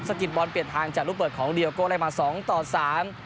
กิดบอลเปลี่ยนทางจากลูกเปิดของเดียวโก้ได้มาสองต่อสาม